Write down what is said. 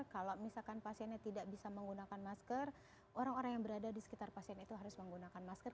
kalau misalkan pasiennya tidak bisa menggunakan masker orang orang yang berada di sekitar pasien itu harus menggunakan masker